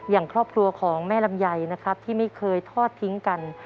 อย่างครอบครัวของแม่ลำไยนะครับที่ไม่เคยทอดทิ้งกัน